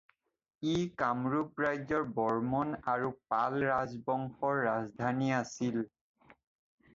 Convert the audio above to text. ই কামৰূপ ৰাজ্যৰ বৰ্মণ আৰু পাল ৰাজবংশৰ ৰাজধানী আছিল।